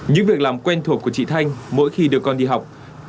những việc làm quen thuộc của chị thanh mỗi khi đưa con đi học